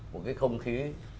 một cái không khí